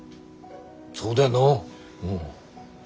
そうだよな。